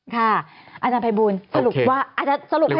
ค่ะอาจารย์ภัยบูรณ์สรุปให้หน่อย